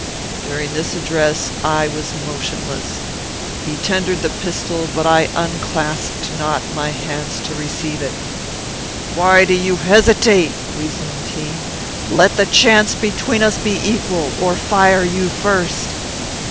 "During this address I was motionless. He tendered the pistol, but I unclasped not my hands to receive it. "'Why do you hesitate?' resumed he. 'Let the chance between us be equal, or fire you first.'